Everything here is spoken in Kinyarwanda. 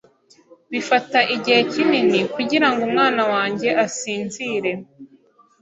Bifata igihe kinini kugirango umwana wanjye asinzire.